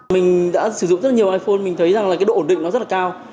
mình đã sử dụng rất nhiều iphone mình thấy rằng là cái độ ổn định nó rất là cao